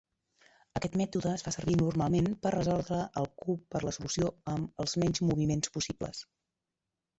Aquest mètode es fa servir normalment per resoldre el cub per la solució amb els menys moviments possibles.